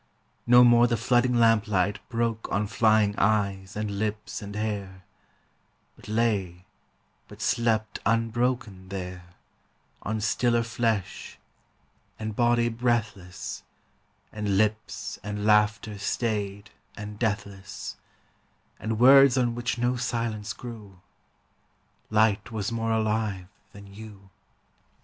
No more the flooding lamplight broke On flying eyes and lips and hair ; But lay, but slept unbroken there, On stiller flesh, and body breathless, 45 Rupert And lips and laughter stayed and deathless, Brooke And words on which no silence grew. Light was more alive than you.